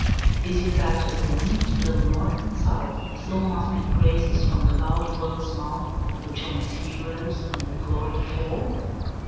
Is it that as the winds blow north and south, So must be praises from the loud world's mouth, Which on its heroes in their glory fall?